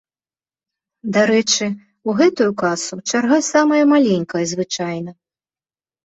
Дарэчы, у гэтую касу чарга самая маленькая звычайна.